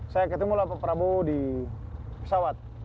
saya ketemu lah pak prabowo di pesawat